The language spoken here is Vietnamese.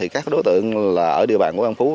các đối tượng ở địa bàn an phú